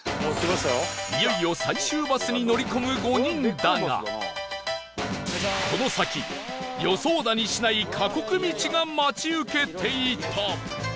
いよいよ最終バスに乗り込む５人だがこの先予想だにしない過酷道が待ち受けていた